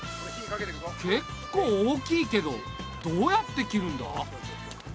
けっこう大きいけどどうやって切るんだ？